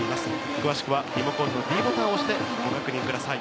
詳しくはリモコンのｄボタンを押してご確認ください。